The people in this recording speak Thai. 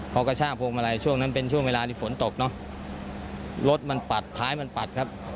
พอกระชากพวงมาลัยช่วงนั้นเป็นช่วงเวลาที่ฝนตกเนอะรถมันปัดท้ายมันปัดครับ